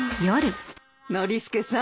ノリスケさん